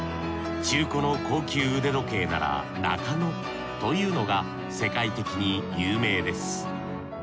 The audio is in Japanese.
中古の高級腕時計なら中野というのが世界的に有名です。